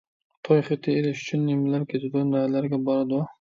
توي خېتى ئېلىش ئۈچۈن نېمىلەر كېتىدۇ؟ نەلەرگە بارىدۇ؟